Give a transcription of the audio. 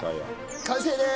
完成でーす！